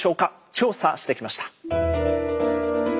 調査してきました。